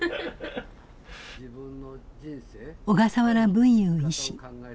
小笠原文雄医師。